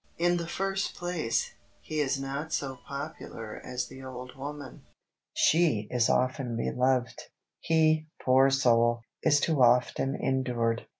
In the first place, he is not so popular as the old woman. She is often beloved; he, poor soul! is too often endured.